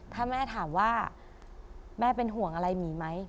ถ้าแม่ถามว่าแม่เป็นห่วงอะไรหมีไหม